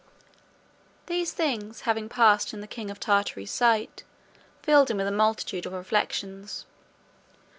These things having passed in the king of Tartary's sight, filled him with a multitude of reflections.